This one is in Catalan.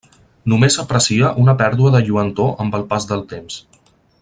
Només s'aprecia una pèrdua de lluentor amb el pas del temps.